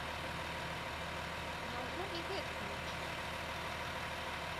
Няўжо і гэтага не чулі?